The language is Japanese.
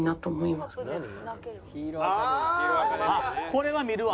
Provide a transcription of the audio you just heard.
「これは見るわ」